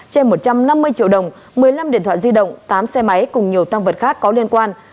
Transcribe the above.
trên một trăm năm mươi triệu đồng một mươi năm điện thoại di động tám xe máy cùng nhiều tăng vật khác có liên quan